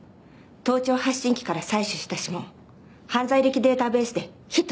盗聴発信機から採取した指紋犯罪歴データベースでヒットしました。